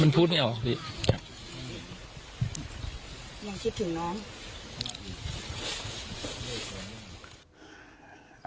มันพูดไม่ออกดิยังคิดถึงน้อง